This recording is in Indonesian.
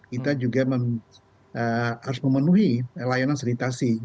kita juga harus memenuhi layanan sanitasi